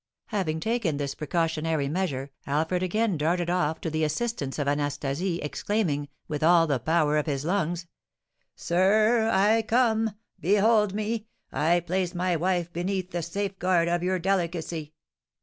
Having taken this precautionary measure, Alfred again darted off to the assistance of Anastasie, exclaiming, with all the power of his lungs: "Sir r r! I come! Behold me! I place my wife beneath the safeguard of your delicacy!"